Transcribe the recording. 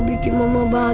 bikin susah aja